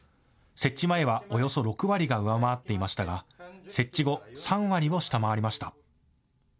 設置前はおよそ６割が上回っていましたが設置後、３割を下回りました。